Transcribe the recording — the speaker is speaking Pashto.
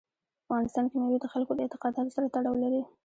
په افغانستان کې مېوې د خلکو د اعتقاداتو سره تړاو لري.